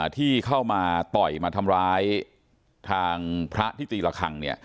ที่เข้ามาต่อยมาทำร้ายทางพระที่ตีละครั้ง